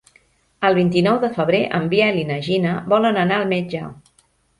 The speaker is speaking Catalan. El vint-i-nou de febrer en Biel i na Gina volen anar al metge.